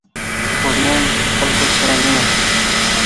رومیان له خلکو سره مینه کوي